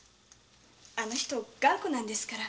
あの人頑固なんですから。